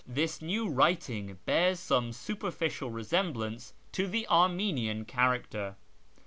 This new writing bears some superficial resemblance to the Armenian character.